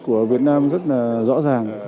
của việt nam rất là rõ ràng